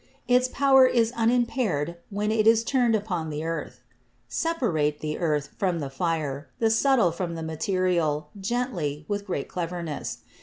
Its power is unimpaired when it is turned upon the earth. "Separate the earth from the fire, the subtile from the material, gently, with great cleverness.